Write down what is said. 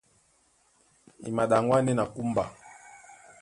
E maɗaŋgwá ndé na kúmba.